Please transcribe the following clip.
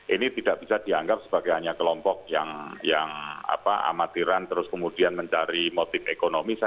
ini tidak bisa dianggap sebagai hanya kelompok yang amatiran terus kemudian mencari motif ekonomi